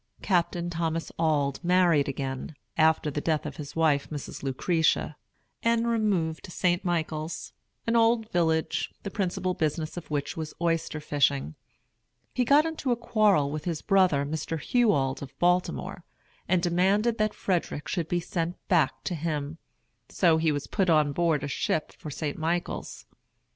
Captain Thomas Auld married again, after the death of his wife Mrs. Lucretia, and removed to St. Michael's, an old village, the principal business of which was oyster fishing. He got into a quarrel with his brother, Mr. Hugh Auld of Baltimore, and demanded that Frederick should be sent back to him. So he was put on board a ship for St. Michael's.